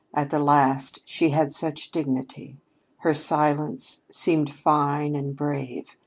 At the last she had such dignity! Her silence seemed fine and brave.